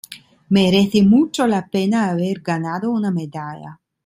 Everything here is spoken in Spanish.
Merece mucho la pena haber ganado una medalla.